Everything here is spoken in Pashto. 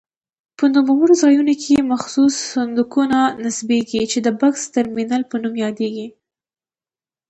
په نوموړو ځایونو کې مخصوص صندوقونه نصبېږي چې د بکس ترمینل په نوم یادیږي.